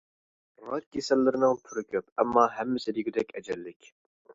راك كېسەللىرىنىڭ تۈرى كۆپ، ئەمما ھەممىسى دېگۈدەك ئەجەللىك.